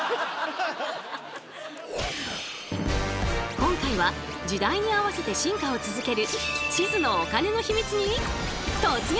今回は時代に合わせて進化を続ける地図のお金のヒミツに突撃！